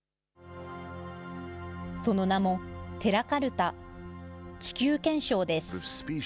その名も、テラ・カルタ、地球憲章です。